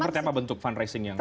seperti apa bentuk fundraising yang